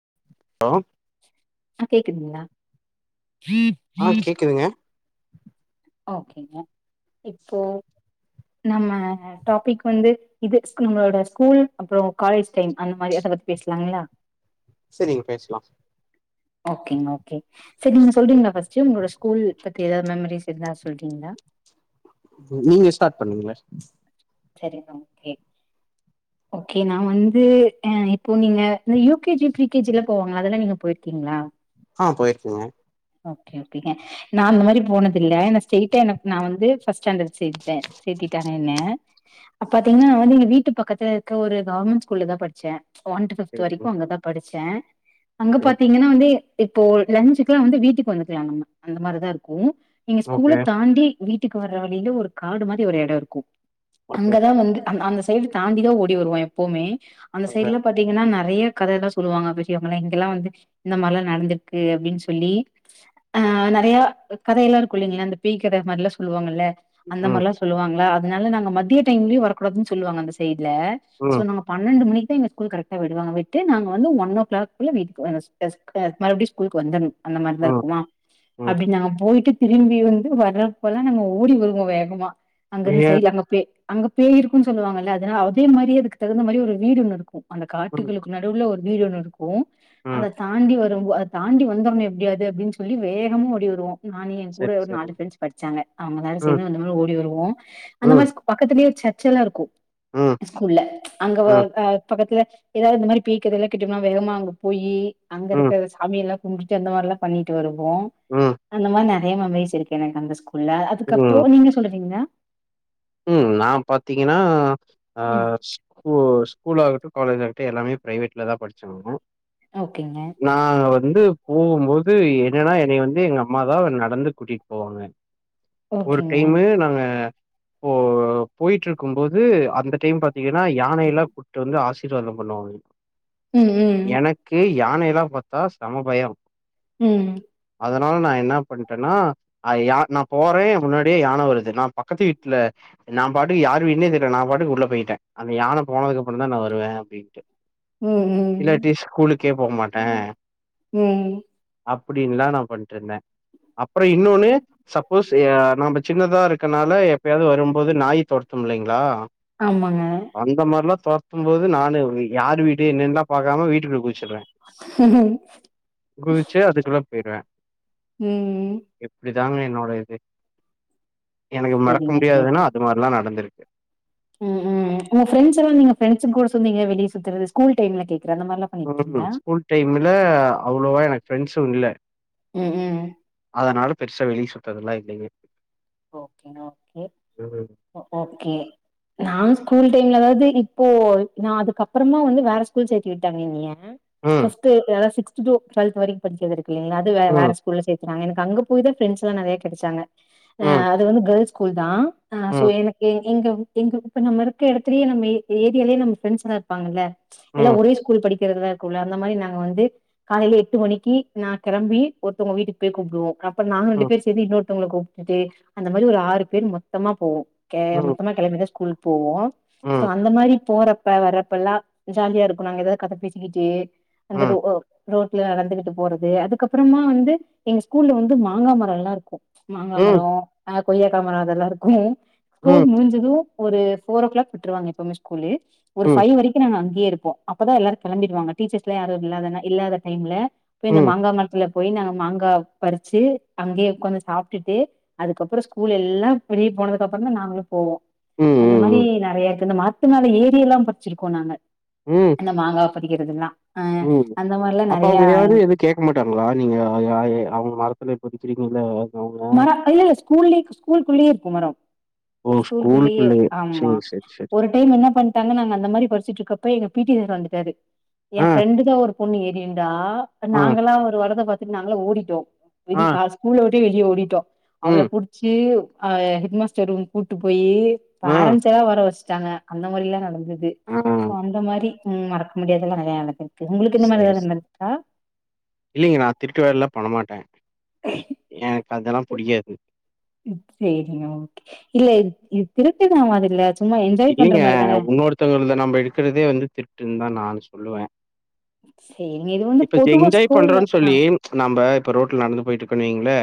[inaudible] ஆ கேக்குதுங்களா ஆ [unintelligible] கேக்குதுங்க ஓகேங்க இப்போ நம்ம டாபிக் வந்து இது நம்மளோட ஸ்கூல் அப்பறம் காலேஜ் டைம் அந்த மாரி அத பத்தி பேசலாங்களா செரிங்க பேசலாம் ஓகேங்க ஓகே செரி நீங்க சொல்றீங்களா பஸ்ட்டு உங்களோட ஸ்கூல் பத்தி ஏதாவது மெம்மரிஸ் இருந்தா சொல்றீங்களா நீங்க ஸ்டார்ட் பண்ணீங்கலே செரி ஓகே ஓகே நான வந்து அ இப்போ நீங்க இந்த U K G P K G எல்லாம் போவாங்களா அதெல்லாம் நீங்க போயிருக்கீங்களா ஆ போயிருக்கேன்க ஓகே ங்க நான அந்த மாரி போனது இல்ல ஸ்ட எனக்கு நான் வந்து சைட்டா பஸ்ஸாண்ட் சேப்பேன் சேகத்துகிட்டான் என்ன அப்ப பாத்தீங்கன்னா நீங்க வீட்டு பக்கத்து இருக்க ஒரு கேவர்மெண்ட் ஸ்கூல்லல தான் படிச்சேன் ஒன்டூத்து பிப்த் சரிங்க வரைக்கும் அங்க தான் படிச்சு [inaudible] அங்க பாத்தீங்கன்னா வந்து இப்போ லஞ்சுக்கெல்லாம் வந்து வீட்டுக்கு வந்துக்கலாம் நம்ம அந்த மாரிதான் இருக்கும் எங்க ஸ்கூல ஓகே தாண்டியி வீட்டுக்கு வரற வழியில ஒரு காடு மாரி ஒரு இடம் இருக்கும் ஓகே அங்கதான் வந்துந்து [inaudible] சாந்தி தான் ஓடி வருவா எப்வுமே அந்த ஓகே ஓகே சைட்ல பாத்தீங்கன்னா நெறைய கதயெல்லாம் சொல்லுவாங்க அப்பவந்து எங்கெல்லாம் வந்து இந்த மாரிலாம் நடந்திருக்கு அப்டின்னு சொல்லி ஆ நெறைய கதயெல்லாம் இருக்கு இல்லங்கள அந்த பேய் கதை மாரி எல்லாம் சொல்லுவாங்கல்ல அந்த ம் மாரிலாம் சொல்லுவாங்களா அதனால நாங்க மத்திய டைம்லையும் வரகூடாதுன்ன சொல்லுவாங்க அ இல்ல சோ ம் நாங்க பன்னெண்டு மணிக்கு எங்க ஸ்கூல் கரெக்டா விடுவாங்க விட்டு நாங்க வந்து ஒன்நோகிளாக்கு மறுபடியும் ஸ்கூலுக்கு வந்தரனும் அந்த மாதரிதான் ம் இருக்குமா ம் அப்படின்னு நாங்க போயிட்டு திரும்பி வந்து வரறப்பலாம் நாங்க ஓடி வருவோம் வேகமா அங்க இருந்து ஏ செய்யல அங்க போய் அங்க பேய இருக்குன்னு சொல்லுவாங்களல்ல அதே மாதிரி அதுக்கு தகுந்த மாதிரி ஒரு வீடு ஒன்னு இருக்கும் அந்த ம் காட்டுகளுக்கு நடுவுவில் ஒரு வீடு ஒன்னுரு க்கும் ம் அத தாண்டி ஒரு ரொம்ப அதை தாண்டி வந்துடணும் எப்டியாது அப்டின்னு சொல்லி வேகம ஓடி வருவோம் நான் என் கூட சரி ஒரு சரி நாலு பிரண்ட்ஸ் படிச்சாங்க அவுங்களா ம் சேந்து அந்த மாதிரி ஓடி வருவோம் அந்த ம் மாதிரி பக்கத்தலயே ச ச்சல்லா இருக்கும் ம் ஸ்கூல்ல அங்க ம் பக்கத்துல ஏதாவது இந்த மாதிரி [unintelligible] வேகமா அங்க போயி அங்க ம் இருக்க சாமிய எல்லாம் கும்ட்டு அந்த மாதிரிலாம் பண்ணிட்டு வரும் போ ம் அந்தமா இதே மெமரிஸ் எனக்கு அந்த ஸ்கூல்ல அதுக்கப்புறம் நீங்க சொல்றீங்கன்னா உம் நான் பாத்தீங்கன்னா ஹா ம் ஸ்கூ இப்போ ஸ்கூல ஆகட்டும் காலேஜ ஆகட்டும் எல்லாமே பிரைவேட்ல தான் படிச்சக்காங்க ஓகேங்க வந்து போகும் போது என்னா என்ன வந்து எங்க அம்மாதான் நடந்து கூட்டிட்டு போவாங்க ஒரு ஓகேங்க டைமு நாங்க ஓ போயட்டு இருக்கும் போது அந்த டைம் பாத்தீங்கன்னா யானையல்லாம் கூப்பிட்டு வந்து ஆசி வாதம் பண்ணுவாங்க உம் யானையெல்லா பாத்தா சம பயம் உம் அதனால நா என்ன பண்ணிட்டேன்னா யா நா போறேன் ஏ முன்னாடியே யானை வருது நான் பக்கத்து வீட்டு ல நா பாட்டுக்கு யாரு வீடுனே தெரியல நா பாட்டுக்கு உள்ள போயிட்டேன் அந்த யானை போனது அப்புறம் தான் நான் வருவேன் அப்டின்ட்டு உம்-உம் க்கே போக மாட்டேன் உம் அப்டின்லாம் நான் பண்டுருந்தேன் அப்புறம் இன்னொன்னு சப்போஸ் நம்ம சின்னதா இருக்கனால எப்பயாவது வரும்போது நாய் தொரத்தும் இல்லைங்களா ஆமாங்க அந்த மாதிரிலாம் தொர ட்டும் போது நான யார் வீட்டு என்னெல்லாம் பாக்காம வீட்டுக்கு குச்சுடுவே குதிச்ச அது சொல்ல போய்டுவ உம் -உம் இதுதாங்க என்நோடது எனக்கு மட செரிங்க [inaudible] அது மாதிரிலாம் நடந்திருக்கு உம்- உம் உங்க ஃப்ரெஸ்லாம் நீங்க ஃப்ரெண்ஸ் கூட செந்து வெளிலா சுத்துறது ஸ்கூல் டைம்ல கே ம் ஸ்கூல் டைம்ல அவ்ளோவா எனக்கு ஃப்ரெண்ட்ஸ் மட்டும் இல்ல ம் ம் அதனால பெருசா வெள சுதல்லா இல்லையே ஓகே- ஓகே- ஓகே நான் ஸ்கூல் டைம்லதாவது இப்போ நான் அதுக்க அப்புறமா வந்து வேற ஸ்கூல் சேர்த்தி விட்டாங்க நீங்க ஃப்ஸ்ட்டு இப்ப சிக்ஸ் டுவல்த் வரைக்கு படிச்சி இல்லங்கனாவது வேற ம் ஸ்கூல் சே நாங்க எனக்கு அங்க போயிான் ஃப்ரண்ட்ஸ் எல்லாம் நிறைய கிடைச்சாங்க ஆஹ ம் அது வந்து கேள்ஸ் ஸ்கூல் தான் ஆஹ் சோ ம் எனக்கு எங்க -எங்க இப்ப நம்ம இருக்க இடத்துலயே நம ஏரியாலேயே நம்ம ஃப்ரெண்ட்ஸ் எல்லாம் இருப்பாங்கல்ல எல்லாம் ம் ஒரே ஸ்கூல் படி இரு அந்த மாதிரி நாங்க வந்து காலையில எட்டு மணிக்கு நான் கிளம்பி ஒருத்தவங்க வீட்டுக்கு போய் கும்பிடுவோம் நாங்க ரெண்டு ம் பேர் சேந்து இன்னொரு தங்களுக்கு அந்த மாதிரி ஒரு ஆறு பேர் மொத்தமா போவோம் க ம் மொத்தமா கிழமைிேஸ்கூல் போவோம் ம் சோ ம் அந்த மாதிரி போற அப்ப வர்றப்ப எல்லாம் ஜாலியா இருக்கும் நாங்க ஏதாவது கதை பேசிக்கிட்டே அந்த ரூ ம் ஹா ரோட்ல நடந்துகிட்டு போறது அதுக்கப்பறமா வந்து எங்க ஸ்கூல்ல வந்து மாங்கா மரமெல்லா இருக்கு ம் மாங்காமரோ ஆப் கொய்யாக்காமர அதெல்லாம் இருக்கும் ஸ்கூல் ம் முடிஞ்சுதும் ஒரு போர் ஓ கிளாக் விட்டுருவங்க எப்வுமே ஸ்கூலு ஒரு ம் ஃபைவ் வரைக்கு அன் அங்கே இருப்போ அப்தா எல்லாரு கிம்பிருவாங்க டீச்சர்ஸ்லா யாரு இல்லாத இல்லாத டைம்ல இப்பே இந்த ம் மாங்காமரத்துலப் போய் நாங்க மாங்கா பறிச்சு அங்கே உட்காந்து சாப் விட்டுட்டு அதுக்கப்பற ஸ்கூல் எல்லா வெளிய போனதுக்கு அப்பற தா நாங்களும் போவோம் ம் அந்த மாரி ம் நெறைய தினமா பத்துனால ஏரி எல்லா படிச்சிருக்கோம் நாங்க ம் அந்த மாங்காப் படிக்கிறதுலாம் ம் அப்ப அவுங்க யாரு எது கேட்க மாட்டாங்களா நீங்க யா அவுங்க மரத்துல எப்போதிக் வச்சீருங்களோ மரம் இல்ல இஸ் ஸ்கூல்ளேயே இருக்கும் மரம் ஓ ஸ்கூள்ளயே ஸ்கூலுக்குள்ளயே ஆமா சேரி சேரி சேரி ஒரு டைம் என்ன பண்ணிட்டாங்க நாங்க அந்த மாரி படிச்சிடுருப்ப இப்ப எங்க பிட்டி சாரு வந்துட்டாரு எ ஆ ஃப்ரெண்டுத ஒரு பொண்ணு ஏறிண்டா ஆ நாங்களா ஒரு வரத பாத் நாங்கள ஓடிட்டோம் ஆ விதி காஸ் ஸ்கூல் [inaudible] வீட்டோ அவள ம் புடிச்சியு அ ஹெட் மாஸ்டர் ரூமு கூட்டு போயி சி ஆ பேரன்சால வர வஷ் வச்சாங்க அந்த மாரிலா நடந்ச இது ஆ சோ அந்த மாரி ம் மறக்க முடியாது நெரைய நடந்து செரி செரி இல்லிங்க நா திருட்டுவேலலா பண்ணமாட்டேன் எக் அதெல்லா புடிக்காது ம் சேரிங்க ஓகே இல்ல இது இது [unintelligible] ஆவாதில்ல இல்லங்க இன்னொருத்தவங்களது நம்ப எடுக்கிறதே வந்து திருட்டுன்னுதா நா [unintelligible] சொல்லுவே சேரிங்க இது வந்து இப்ப ஜெய் பொதுவா என்ஜாய் ஸ்கூல்ல பண்றோம்ன்னு ஆ சொல்லி நாம்ப இப்ப ரோட்ல நடந்து போயிட்ருக்கோன்னு வைங்களே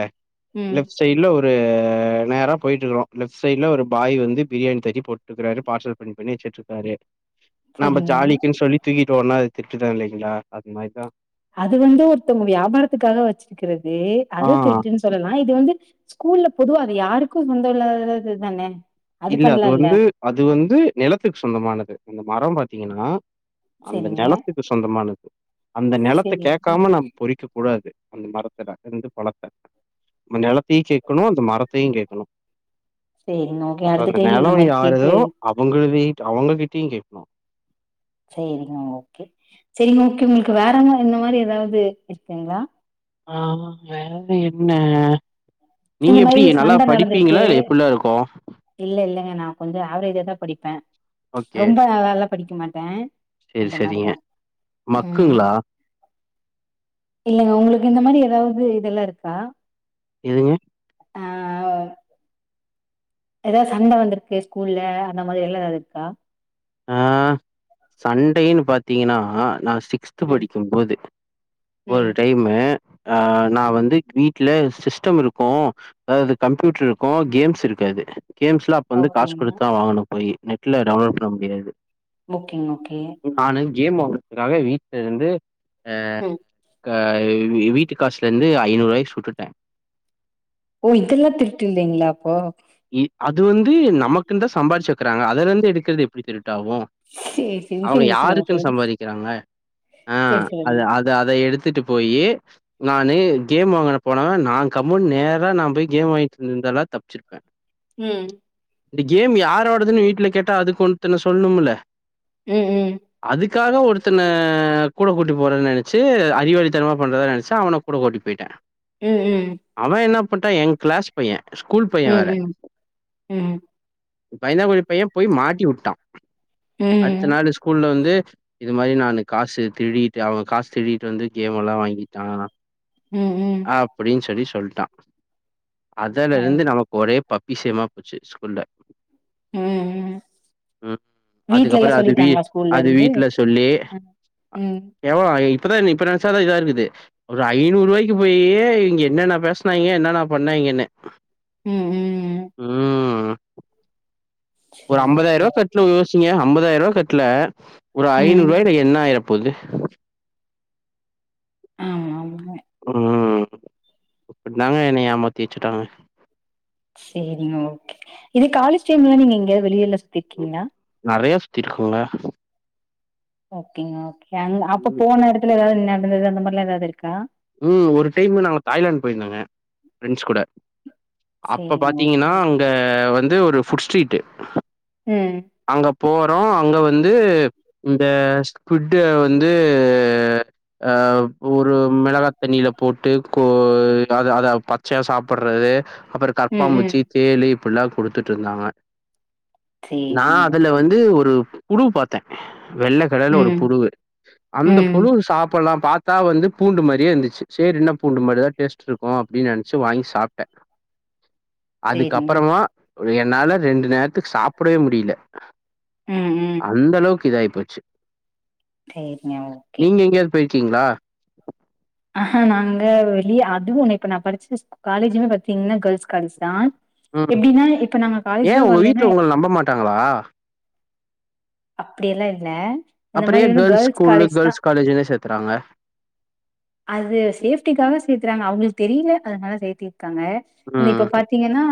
ம் லெஃப்ட் சைட்ல ஒரு இது நேரா போயிட்ருக்றோ லெஃப்ட் சைட்ல ஒரு பாய் வந்து பிரியாணி தட்டி போட் இருக்குராரு பார்சல் பண்ணி பண்ணி வச்சிட்டு இருக்காரு நம்ம சேரிங்க ஜாலிக்குன்னு சொல்லி தூக்கி ஒன்னா திட்டுட்தா இல்லங்களா அது மாரிதான் அது வந்து ஒருத்தவுங்க வியாபாரத்துக்காக வச்சிருக்கிறது அது அது ஆ திருட்டின்னு சொல்ல இது வந்து ஸ்கூல்ல பொதுவா அது யாருக்கும் சொந்த இல்லாததுதானே இல்ல அது வந்து அது வந்து நிலத்துக்கு சொந்தமானது அந்த மரம் பாத் பாத்தீங்கன்னா அந்த செரிங்க நிலத்துக்கு சொந்தமானது அந்த நிலத்தை செரிங்க கேட்காம நம்ம பொறிக்க கூடாது அந்த மரத்துல இருந்து பழத்த அந்த நிலத்தையும் கேட்கணும் அந்த மரத்தையும் கேட்கணும் செரிங்க ஓகே அப்றோ அடுத்த அந்த டைம் நெலோ இந்த மாரி கேட்டு யாருதோ அவங்கள்தியு அவங்ககிட்டயு கேக் நோ சேரிங்க ஓகே செரிங்க ஓகே உங்களுக்கு வேறவுங்க இந்த மாதிரி ஏதாவது இருக்குங்களா ஆமா வேறது என்ன நீங்க இந்த மாரி எப்டி நல்லா சண்ட நடந்திருக்கு படிப்பீங்களா இல்ல எப்டில்லா இருக்கு கொஞ்ச ஆவரேஜா தான் படிப்பேன் ரொம்ப நல்ல படிக்க மாட்டேன் செரி செரிங்க மக்குங்களா இல்லைங்க உங்களுக்கு இந்த மாரி ஏதாவது இதெல்லா இருக்கா எதுங்க ஆ ஏதாவது சண்ட வந்திருக்கு ஸ்கூல்ல அந்த மாரி எல்லா ஏதாவது இருக்கா ஆஹ் சண்டைன்னு பாத்தீங்கன்னா நா சிக்ஸ்த்து ம் படிக்கும்போது ஒரு ம் டைமு ஆ நான் ம் வந்து கீ வீட்ல சிஸ்டம் இருக்கும் அதாவது கம்ப்யூட்டர் இருக்கும் கேம்ஸ் இருக்காது கேம்ஸ்லா அப்ப வந்து காசு ஓகேங்க குடுத்துதா வாங்கனு போயி நெட் இல்ல [unintelligible] காம்கிறது புக்கிங் ஓகே கேம் ஆடுறதுக்காக வீட்டுல இருந்து ஆஹ் ம் ஹ வீட்டுகாசுலேருந்து ஐநூறு ரூவாய்ய சுட்டுட்டே ஓ இதெல்லாம் திருட்டுல்லிங்களா அப்போ அது வந்து நமக்குன்னு தான் சம்பாரதிச்சு வக்கறாங்க அதுல இருந்து எடுக்குறது எப்படி தெரியும் டாகு சேரி சேரி அவங்க சரிங்க சொல்லுங்க யாருக்குனு சொல்லுங்க சம்பாதிக்கிறாங்க சேரி ஹம் சொல்லுங்க அத எடுத்துட்டு போய் நான் கேம் வாங்கின போனேன் நான் கமுன் நேராக நான் போய் கேம் வாங்கிட்டு இருந்தாலான் தப்பச்சுருப்பேன் உம் இந்த கேம் யாராடதுன்னு வீட்டுல கேட்டா அதுக்கு ஒன்த்தன்ன சொல்ணும்ல ம் ம் அதுக்காக ஒருத்தன கூட கூட்டி போறது நெனச்சு அறிவாளித்தனமா பண்றதா நெனச்சு அவன கூட கூட்டி போய்டா போயிட்டேன் உம் உம் போட்டா என் கிளாஸ் பையன் ஸ்கூல் பைய வேற ம் ம் பயந்தாங்குலி பைய போய் மாட்டி வுட்டான் ம் அடுத்த ம் நாள் ஸ்கூல்ல வந்து இது மாதிரி நான் காசு திருடிட்டு அவங்க காசு திருட்டு வந்து கேம் எல்லா வாங்கிட்டாங்களா ம் ம் ஆ அப்டின்னு சொல்லி சொல் ட்டடா அதா அது ரைட். வந்து நமக்கு ஒரே பப்பிசேமா போச்சு ஸ்கூல்ல ம் ம் உஹம் வீட்ல எல்லா அதுக்கப்புறம் அது வீ சொல்லிட்டாங்களா ஸ்கூல்ல அது இருந்து வீட்டுல சொல்லி ம் எவ இப்பதான் இப்ப நெனைச்சாதா இதா இருக்குது ஒரு ஐநூறு ரூபாய்க்கு போயி இங்க என்னென்ன பேசுனாங்க என்னன்ன பண்ணாங்கைன்னு ம் ம் உஹம் ஒரு சேரிங்க ஐம்பதாயிரூவா கட்ல யோசிங்க ஐம்பதாயி ரூவா கட்ல ஒரு ம் ஐநூறுவாயில என்னாயிர தில்லு [unintelligible] ஒரு அப்புடி தாங்க என்ன ஏமாத்தி வச்சுட்டாங்க செரிங்க ஓகே இது காலேஜ் டைம்ல நீங்க வெளில சுத் இருக்கீங்களா திக்குல்லா ஓகேங்க ஓகே அப்ப ம் போன இடத்துல ஏதாவது [inaudible] அந்த மாரிலாம் ஏதாவது இருக்க உம் ஒரு டைம்மு நாங்க தாய்லாந்து போய்ருந்தோங்க பெரண்ஸ் கூட அப்ப சேரிங்க ஓகே பாத்தீங்கன்னா அங்க வந்து ஒரு புஃபுட் ஸ்ட்ரீட் ஹம் போறோம் அங்க வந்து இந்த ட்டு வந்து அ ஒரு மிளகாய தண்ணியில போட்டு கோ அத அத பச்சயா சாப்படுறது அப்பற கடப்பா ம் ம் முச்சி தேலி புள்ளா கொடுத்துட்டு இருந்தாங்க நான் சேரிங்க அதுல ஓகே வந்து ஒரு முழு பாத்தேன் வெள்ளக்கலர்ல ஒரு ம் புழுவு அந்த ம் புழு சாப்பிடலாம் பாத்தா வந்து பூண்டு மாரியே இருந்துச்சு செரி என்ன பூண்டு மாரிதான் டேஸ்ட் இருக்கும் அப்டின்னு நினைச்சு வாங்கி சாப்பிட்டேன் அதுக்கு சேரிங்க அப்றமா ஒரு என்னால ரெண்டு நேரத்துக்கு சாப் ப்படவே முடில ம் ம் அந்த அளவுக்கு இதா போச்சி சேரிங்க ஓகே நீங்க எங்கயாது போயிருக்கீங்களா ஆஹா நாங்க வெளியே அதுவும் ஒன்னு இப்ப நான படிச்ச காலேஜுமே பத்தீங்கன்னா கேர்ள்ஸ் காலேஜ் தான் ம் ஏன் உங்க வரலன்னா வீட்டுல உங்க நம்ப மாட்டாங்களா அப்டியெல்லா இல்ல இந்த அப் மாரி ஏன் வந்து கேர்ள்ஸ் ஸ்கூல்லு காலேஜ் தா கேர்ள்ஸ் காலேஜ்லையே சேக்குறாங்க அது சேஃப்டிக்காக சேர்த்தறாங்க அவங்களுக்கு தெரியல அதனால சேர்த்தி ருக்காங்க இந்த ம் இப்ப பாத்தீங்கன்னா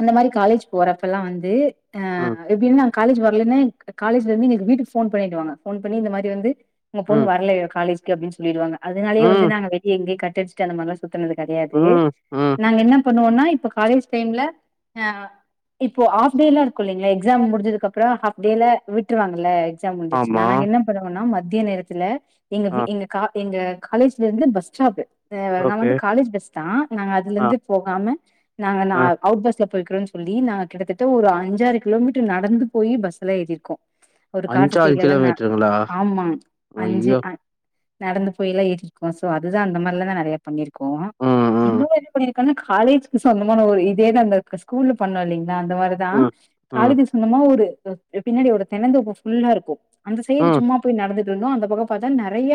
அந்த மாரி காலேஜ் போறப்பலாம் வந்து ஆ ம் இப்டினா காலேஜ் வரலன்னா காலேஜல இருந்துங்க வீட்டுக்கு போன் போயிடுவாங்க போன் பண்ணி இந்த மாரி வந்து உங்க பொண்ணு ம் வரலையா காலேஜ் அப்டினு சொல்லிடுவாங்க அதனாலையே வந்து ம் நாங்க வெட்டி [inaudible] டெஸ்ட் அத மாரில்லாம் சுத்துனது கிடையாது ம் ம் நாங்க என்ன பண்ணுவோம்னா காலேஜ் டைம்ல ஹ இப்போ ஆப் டே இருக்கும் எக்ஸாம் முடிஞதுக்கு அப்பறம் ஆப் டே விட்டுருவாங்க ல க்ஸாம் முச்சுனா ஆமா நாங்க என்ன பண்ணுவோனா மத்திய நேரத்துல எங்க ஆ எங்க கா எங்க காலேஜ்ல இருந்து பஸ் பஸ் ஸ்டாப் நான் ஓகே வந்து காலேஜ் பஸ் தான் நாங்க அதுல ஆ இருந்து போகாம நாங்க ஆ அவுட் பஸ்ல போய்கக்கிறோனு சொல்லி நா கிட்டத்தட்ட ஒரு அஞ்சாறு கிலோமீட்டர் நடந்து போய் பஸ்ல எழுதிருக்கோம் ஒரு காசுசெய்ல எல்லாம் கிலோமீட்டருங்களா? ஆமா அஞ்சு ஐயோ! நடந்து யாம் ஏிருக்கும்கோம் அதுதான் அந்த மாதிராலாம் தான் நெறைய பண ம் ம் இன்னும்ண்ணிருக்க காலேஜக்கு சொந்தமான ஒரு இதந்த ஸ்கூல்ல பண்ண இ அந்த மாரிதான் ம் ம் காலதி சொன்னமா ஒரு பின்னாடி ஒரு தெனதோப்பு ஃபுல்லா இருக்கும் அந்த சைடு ம் சும்மா போய் நடந்துட்டு இருந்தோ அந்த பக்கம் பா அதான் நெறைய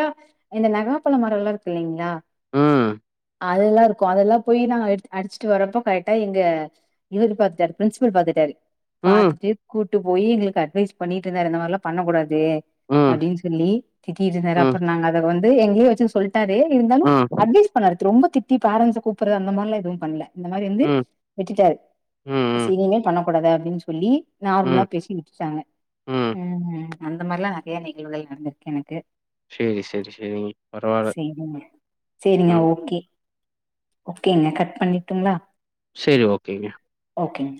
இந்த நகாப்பழ மரம் எல்லாம் இருக்கு இல்லங்களா ம் அதுல்லாம் இருக்கும் அதெல்லாம் போய் நாங்க அடிச்சுட்டு வரப்போ கரெக்டா எங்க இவரு பாரத்துட்டாரு பிரின்சிபல் பாத்துட்டாரு ம் பாத்துட்டு கூ ட்டு போய் எங்களுக்கு அட்வைஸ் பண்ணிட்டு இருந்தா இருந்த மாரிலாம் பண்ணக்கூடாது ம் ம் அப்டின்னு சொல்லி திட்டிட்டுந்தரு ம் அப்பறம் நாங்க எங்கே வச்சு சொல்லிட்டு [inaudible] இருந்தாலும் ம் அட்வைவ் பண்ணாரு ரொம்ப திட் கத்தி பேரண்டஸ் கூப்பற அந்த மாரிலாம் எதுவும் பண்ணல இந்தமாரி வந்து ம் வெட்டுட்டாரு ம் சீனே பண்ணக்கூடாது அப்டின்னு சொல்லி நார்மலா ம் பேசி விட்டுட்டாங்க ம் உம் அந்த மாதரிலாம் நெறைய நிகழ்வுகள் நடந்திருக்கு எனக்கு செரி செரி செரிங்க பரவாயில்ல சேரிங்க சேரிங்க ம் ஓகே ஓகேங்க கட் பண்ணிட்டுங்களா செரி ஓகேங்க ஓகேங்க